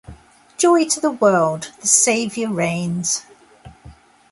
Joy to the world, the Savior reigns!